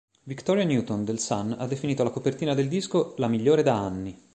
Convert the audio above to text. Victoria Newton del "Sun" ha definito la copertina del disco "la migliore da anni".